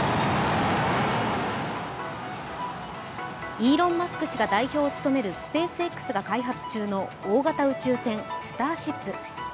イーロン・マスク氏が代表を務めるスペースＸが開発中の大型宇宙船「スターシップ」。